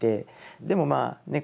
でもまあね